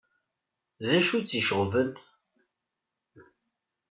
D acu i tt-iceɣben?